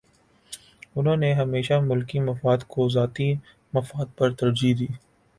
انہوں نے ہمیشہ ملکی مفاد کو ذاتی مفاد پر ترجیح دی۔